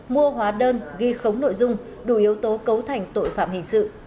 mua hóa đơn ghi khống nội dung đủ yếu tố cấu thành tội phạm hình sự